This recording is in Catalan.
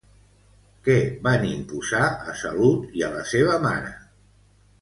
Què van imposar a Salut i a la seva mare?